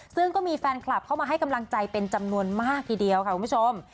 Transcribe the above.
ซึ่งก็มีแฟนคลับเข้ามาให้กำลังใจเป็นจำนวนมากทีเดียวค่ะคุณผู้ชม